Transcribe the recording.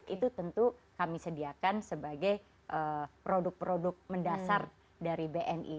itu tentu kami sediakan sebagai produk produk mendasar dari bni